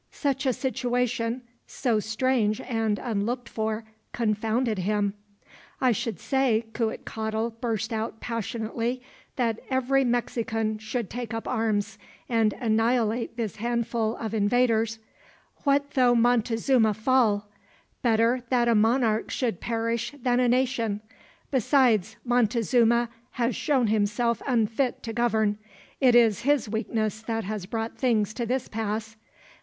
Such a situation, so strange and unlooked for, confounded him. "I should say," Cuitcatl burst out passionately, "that every Mexican should take up arms, and annihilate this handful of invaders. What though Montezuma fall? Better that a monarch should perish than a nation. Besides, Montezuma has shown himself unfit to govern. It is his weakness that has brought things to this pass.